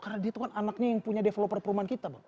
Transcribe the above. karena dia tuh kan anaknya yang punya developer perumahan kita bang